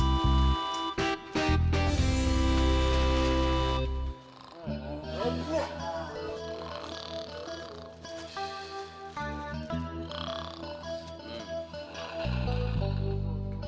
alhamdulillah si neng sudah tidur